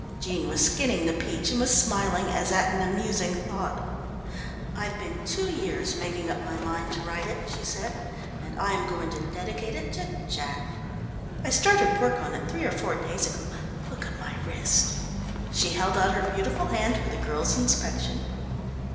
Jean was skinning the peach and was smiling as at an amusing thought. "I've been two years making up my mind to write it," she said, "and I'm going to dedicate it to Jack. I started work on it three or four days ago. Look at my wrist!" She held out her beautiful hand for the girl's inspection.